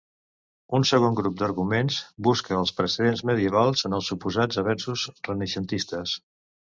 Un segon grup d'arguments busca els precedents medievals en els suposats avenços renaixentistes.